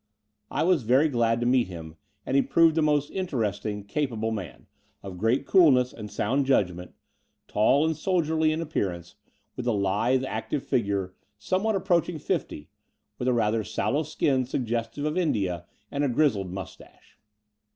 I was very glad to meet him; and he proved a most interesting, capable man, of great coolness and sound judgment, tall and soldierly in appearance^ 74 The Door of the Unreal with a Uthe, active figure, somewhere approaching fifty, with a rather sallow skin suggestive of India, and a grizzled moustache.